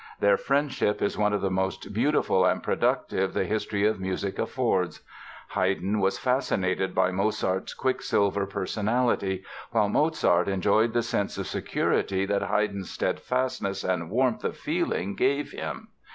Their friendship is one of the most beautiful and productive the history of music affords. "Haydn was fascinated by Mozart's quicksilver personality, while Mozart enjoyed the sense of security that Haydn's steadfastness and warmth of feeling gave him."